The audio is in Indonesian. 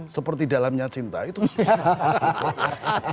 seperti dalamnya cinta itu susah